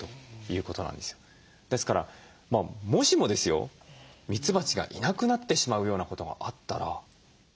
ですからもしもですよミツバチがいなくなってしまうようなことがあったら。